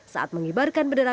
saat mengibarkan berdekatan